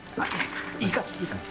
いいからいいから。